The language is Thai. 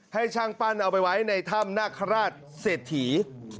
ให้ช่างปั้นเอาไปไว้ในถ้ำนาคาราชเศรษฐี